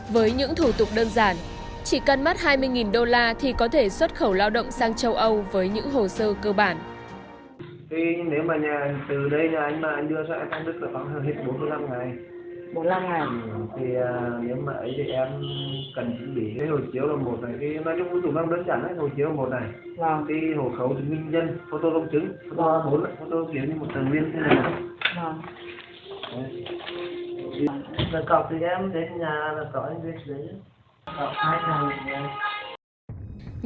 với những thủ tục đơn giản chỉ cần mất hai mươi đô la thì có thể xuất khẩu lao động sang châu âu với những hồ sơ cơ bản